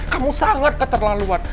kamu sangat keterlaluan